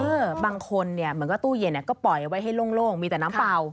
บางคนเนี่ยเหมือนกับตู้เย็นก็ปล่อยไว้ให้โล่งมีแต่น้ำเปล่า